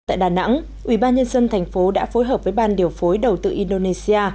tại đà nẵng ủy ban nhân dân thành phố đã phối hợp với ban điều phối đầu tư indonesia